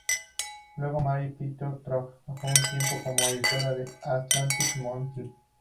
Luego Mary Pichot trabajó por un tiempo como editora de Atlantic Monthly.